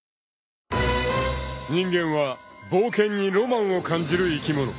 ［人間は冒険にロマンを感じる生き物］